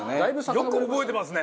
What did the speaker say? よく覚えてますね。